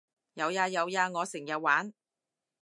有呀有呀我成日玩